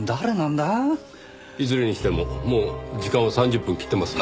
いずれにしてももう時間を３０分切ってますよ。